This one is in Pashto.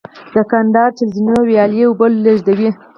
د کندهار چل زینو ویالې اوبه لېږدوي